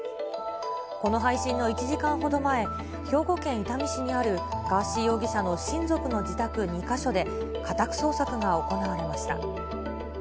この配信の１時間ほど前、兵庫県伊丹市にあるガーシー容疑者の親族の自宅２か所で、家宅捜索が行われました。